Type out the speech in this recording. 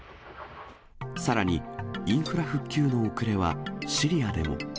さらに、インフラ復旧の遅れはシリアでも。